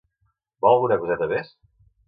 Vol alguna coseta més?